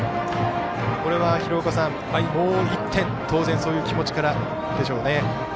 これは廣岡さん、もう１点当然そういう気持ちからでしょうね。